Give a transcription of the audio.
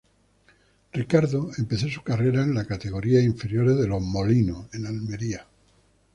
Ricardo empezó su carrera en las categorías inferiores de Los Molinos, en Almería.